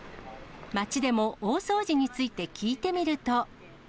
街でも、大掃除について聞いてみると。